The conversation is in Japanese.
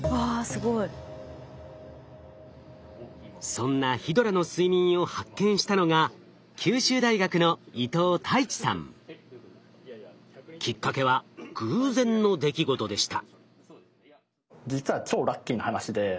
そんなヒドラの睡眠を発見したのが九州大学のきっかけは偶然の出来事でした。